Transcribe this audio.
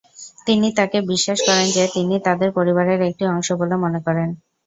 তিনি তাকে বিশ্বাস করেন যে তিনি তাদের পরিবারের একটি অংশ বলে মনে করেন।